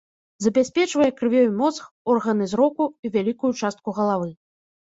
Забяспечвае крывёй мозг, органы зроку і вялікую частку галавы.